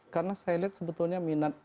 karena saya lihat sebetulnya minat